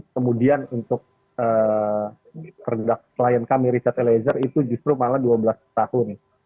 kemudian untuk klien kami richard eliezer itu justru malah dua belas tahun